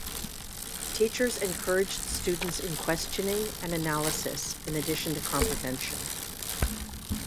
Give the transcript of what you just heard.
Teachers encouraged students in questioning and analysis, in addition to comprehension.